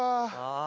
ああ。